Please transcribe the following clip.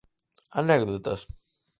¿Anécdotas?